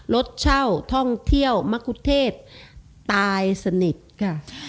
รถเช่าท่องเที่ยวมะคุเทศตายสนิทค่ะ